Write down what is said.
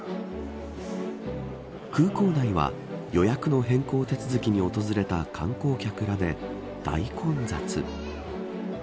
空港内は、予約の変更手続きに訪れた観光客らで大混雑。